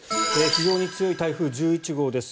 非常に強い台風１１号です。